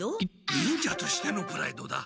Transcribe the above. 忍者としてのプライドだ。